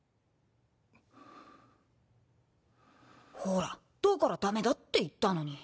ほらだからダメだって言ったのに。